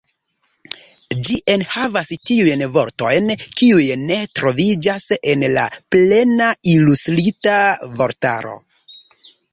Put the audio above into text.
Ĝi enhavas tiujn vortojn kiuj ne troviĝas en la "Plena Ilustrita Vortaro".